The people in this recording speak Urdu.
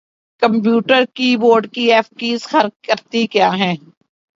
کمپیوٹر کی بورڈ کی ایف کیز خر کرتی کیا ہیں